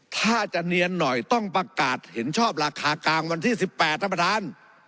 ถ้าจะเนียนหน่อยต้องประกาศเห็นชอบราคากลางวันที่๑๘ท่านประธาน